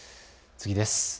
次です。